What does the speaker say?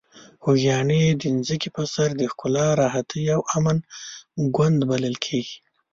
خوږیاڼي د ځمکې په سر د ښکلا، راحتي او امن ګوند بلل کیږي.